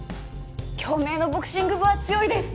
京明のボクシング部は強いです！